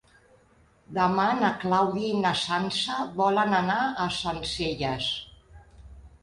Demà na Clàudia i na Sança volen anar a Sencelles.